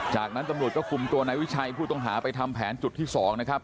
จากนั้นตำรวจก็คุมตัวนายวิชัยผู้ต้องหาไปทำแผนจุดที่๒นะครับ